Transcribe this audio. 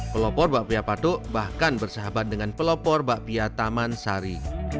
pelopor bakpia patuk bahkan bersahabat dengan pelopor bakpia taman sari